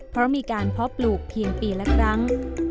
เพราะมีการเพาะปลูกเพียงปีละครั้ง